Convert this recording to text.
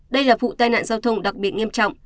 đây là vụ tai nạn giao thông đặc biệt nghiêm trọng